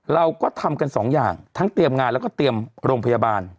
เราก็ทำกันสองอย่างทั้งเตรียมงานแล้วก็เตรียมโรงพยาบาล